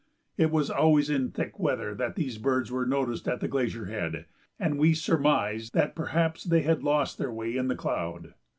It was always in thick weather that these birds were noticed at the glacier head, and we surmised that perhaps they had lost their way in the cloud.